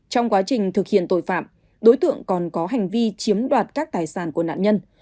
trong quá trình thực hiện tội phạm đối tượng còn có hành vi chiếm đoạt các tài sản của nạn nhân